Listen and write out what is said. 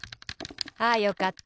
あよかった。